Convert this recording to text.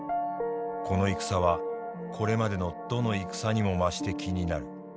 この戦はこれまでのどの戦にも増して気になる。